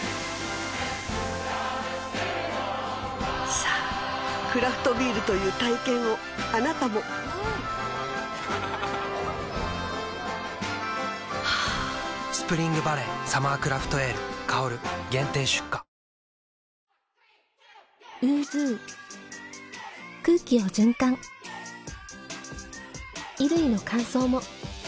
さぁクラフトビールという体験をあなたも「スプリングバレーサマークラフトエール香」限定出荷腹減ったな。